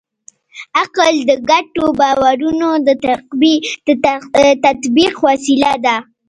عقل د ګډو باورونو د تطبیق وسیله ده.